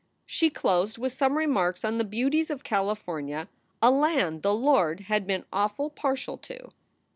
She closed with some remarks on the beauties of California, a land the Lord had been awful partial to.